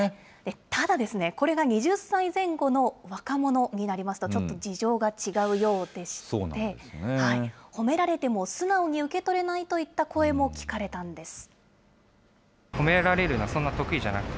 ただ、これが２０歳前後の若者になりますと、ちょっと事情が違うようでして、褒められても素直に受け取れないといった声も聞かれたんです。